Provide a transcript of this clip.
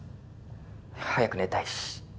早く寝たいし。